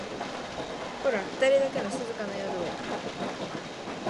ホラふたりだけの静かな夜を